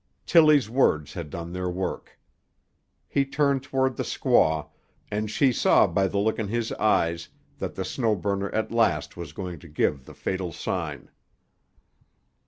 Tillie's words had done their work. He turned toward the squaw, and she saw by the look in his eyes that the Snow Burner at last was going to give the fatal sign.